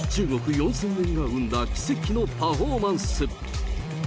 ４０００年が生んだ奇跡のパフォーマンス。